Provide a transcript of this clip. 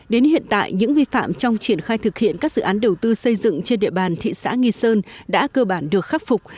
đến hiện tại những vi phạm trong triển khai thực hiện các dự án đầu tư xây dựng trên địa bàn thị xã nghi sơn đã cơ bản được khắc phục